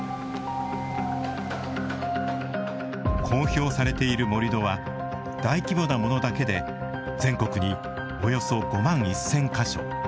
公表されている盛土は大規模なものだけで全国におよそ５万１０００か所。